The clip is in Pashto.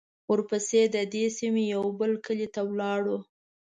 ورپسې د دې سیمې یوه بل کلي ته لاړو.